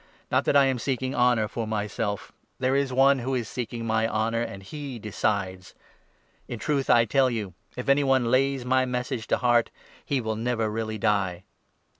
Not that I am seeking honour for 50 myself; there is one who is seeking my honour, and he decides. In truth I tell you, if any one lays my 51 Message to heart, he will never really die."